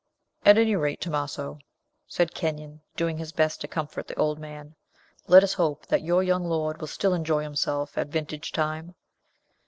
"At any rate, Tomaso," said Kenyon, doing his best to comfort the old man, "let us hope that your young lord will still enjoy himself at vintage time.